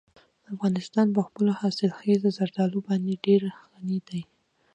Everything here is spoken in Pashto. افغانستان په خپلو حاصلخیزه زردالو باندې ډېر غني دی.